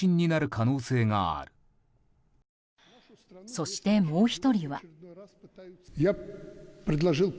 そして、もう１人は。